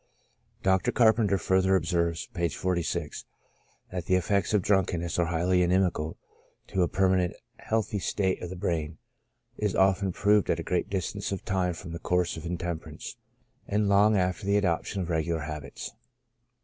And Dr. Carpenter further observes, (p. 46,) " That the effects of drunkenness are highly inimical to a permanent healthy state of the brain, is often proved at a great distance of time from the course of intemperance, and long after the adoption of regular habits."